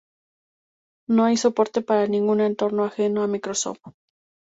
No hay soporte para ningún entorno ajeno a Microsoft.